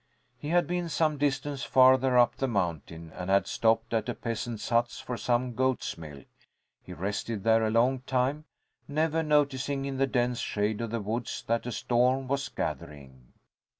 He had been some distance farther up the mountain, and had stopped at a peasant's hut for some goat's milk. He rested there a long time, never noticing in the dense shade of the woods that a storm was gathering.